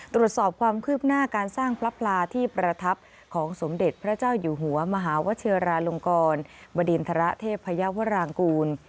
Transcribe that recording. ตรวจสอบความคืบหน้าการสร้างพระพลาที่ประทับของสมเด็จพระเจ้าอยู่หัวมหาวชิราลงกรบดินทรเทพยาวรางกูล